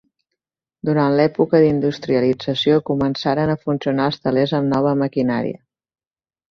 Durant l'època d'industrialització començaren a funcionar els telers amb la nova maquinària.